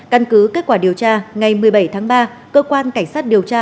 căn cứ kết quả điều tra ngày một mươi bảy tháng ba